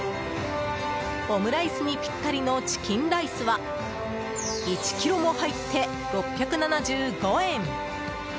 オムライスにぴったりのチキンライスは１ｋｇも入って６７５円。